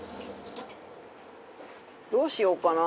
どうしようかな？